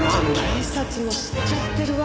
警察も知っちゃってるわけね。